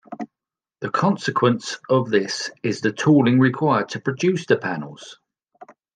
The consequence of this is the tooling required to produce the panels.